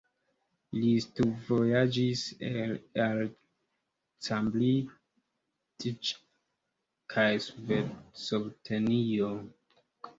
Li studvojaĝis al Cambridge kaj Sovetunio.